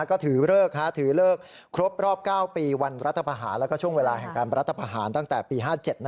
ก็ถือเลิกครบรอบ๙ปีวันรัฐภาษณ์และช่วงเวลาแห่งการรัฐภาษณ์ตั้งแต่ปี๕๗